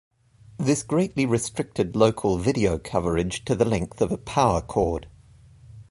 This greatly restricted local video coverage to the length of a power cord.